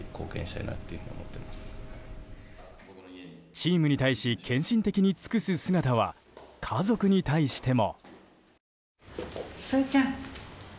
チームに対し献身的に尽くす姿は家族に対しても。